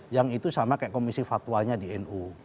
yang itu sama kayak komisi fatwanya di nu